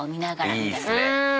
いいっすね。